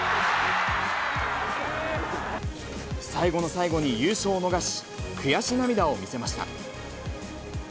最後の最後に優勝を逃し、悔し涙を見せました。